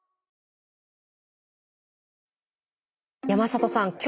山里さん